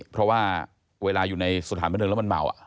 เพราะว่าเวลาอยู่ในสถานบันเทิงแล้วมันเมา